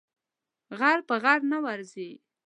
غر په غره نه ورځي.